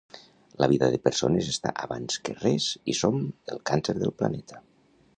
La vida de persones està abans que res i som el càncer del Planeta